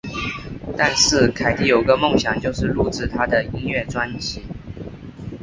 但是凯蒂有个梦想就是录制她的音乐专辑。